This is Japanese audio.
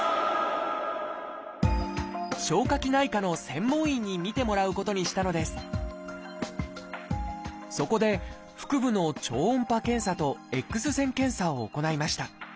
消化器内科の専門医に診てもらうことにしたのですそこで腹部の超音波検査とＸ線検査を行いました。